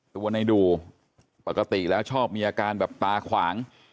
ตัวในดูปกติแล้วชอบมีอาการแบบตาขวาง